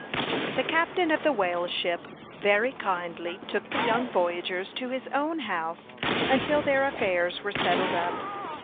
The captain of the whale ship very kindly took the young voyagers to his own house until their affairs were settled up.